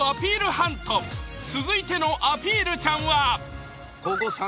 ハント続いてのアピールちゃんは？